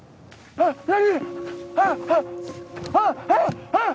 あっ何？